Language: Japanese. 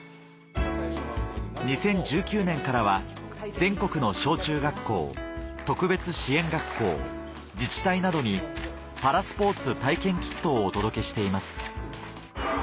２０１９年からは全国の小中学校特別支援学校自治体などにパラスポーツ体験キットをお届けしています